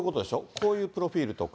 こういうプロフィールとか。